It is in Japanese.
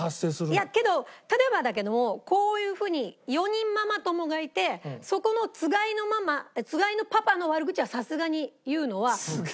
いやけど例えばだけどもこういう風に４人ママ友がいてそこのつがいのママつがいのパパの悪口はさすがに言うのは。